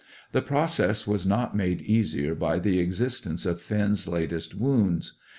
The process was not made easier by the existence of Finn's latest wounds.